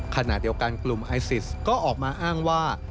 ขณะเดียวกันกลุ่มไอซิสก็ออกมาอ้างว่า